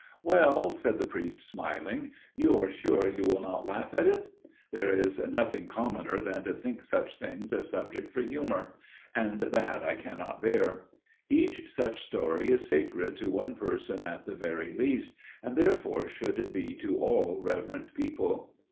"Well," said the priest, smiling, "you are sure you will not laugh at it? There is nothing commoner than to think such things a subject for humour; and that I cannot bear. Each such story is sacred to one person at the very least, and therefore should be to all reverent people."